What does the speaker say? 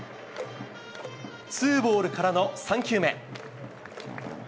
ツーボールからの３球目。